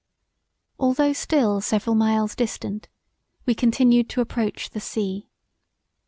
Although still several miles distant we continued to approach the sea.